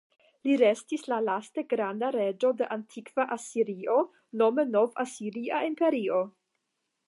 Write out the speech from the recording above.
Li estis la laste granda reĝo de antikva Asirio, nome Nov-Asiria Imperio.